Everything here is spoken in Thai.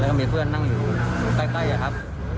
แล้วก็มีเพื่อนนั่งอยู่ใกล้ครับ